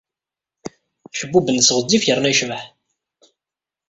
Acebbub-nnes ɣezzif yerna yecbeḥ.